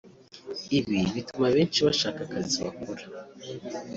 Ibi bituma benshi bashaka akazi bakora